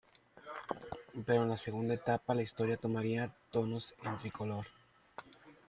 Pero en la segunda etapa, la historia tomaría tonos en tricolor.